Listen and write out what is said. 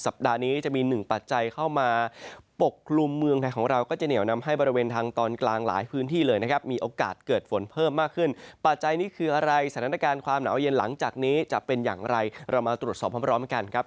เป็นอย่างไรเรามาตรวจสอบพร้อมกันครับ